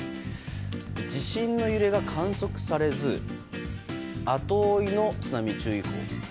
地震の揺れが観測されず後追いの津波注意報に。